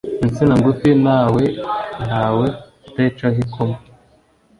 insina ngufi ntawe ntawe utayicaho ikoma